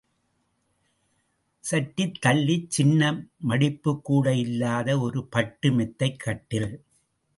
சற்றுத் தள்ளிச் சின்ன மடிப்புக்கூட இல்லாத ஒரு பட்டு மெத்தைக் கட்டில்.